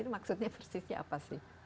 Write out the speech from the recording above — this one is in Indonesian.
maksudnya persisnya apa sih